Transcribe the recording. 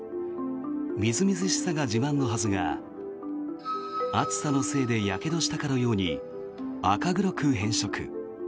みずみずしさが自慢のはずが暑さのせいでやけどしたかのように赤黒く変色。